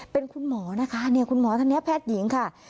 เป็นคุณหมอนะคะคุณหมอแพทย์หญิงค่ะ